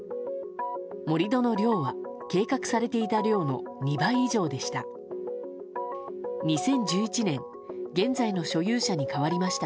盛り土の量は計画されていた量の２倍以上でした。